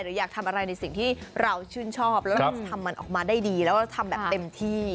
หรืออยากทำอะไรในสิ่งที่เราชื่นชอบแล้วเราทำมันออกมาได้ดีแล้วก็ทำแบบเต็มที่